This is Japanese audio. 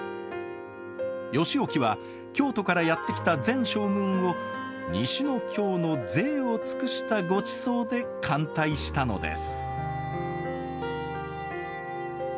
義興は京都からやって来た前将軍を西の京の贅を尽くしたごちそうで歓待したのです。